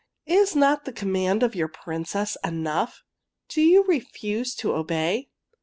Is not the conimand of your Princess enough? Do you refuse to obey?